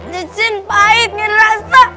minyak pahit tidak rasa